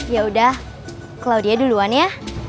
yaudah claudia duluan ya